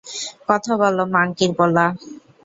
কথা বল, মাংকির পোলা!